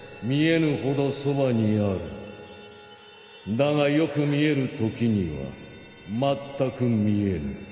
だがよく見えるときにはまったく見えぬ。